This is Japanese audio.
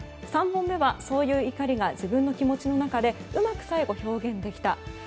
３本目は、そういう怒りが自分の気持ちの中でうまく最後表現できた。